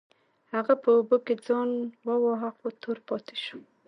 هغه په اوبو کې ځان وواهه خو تور پاتې شو.